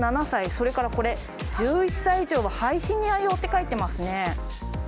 それからこれ１１歳以上はハイシニア用って書いてますね。